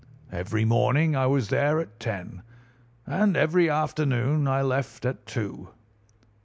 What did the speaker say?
Every morning I was there at ten, and every afternoon I left at two.